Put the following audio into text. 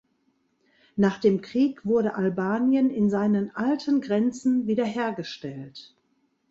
Nach dem Krieg wurde Albanien in seinen alten Grenzen wiederhergestellt.